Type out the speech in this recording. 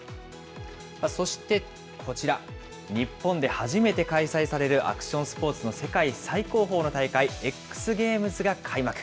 そしてこちら、日本で初めて開催されるアクションスポーツの世界最高峰の大会、Ｘゲームズが開幕。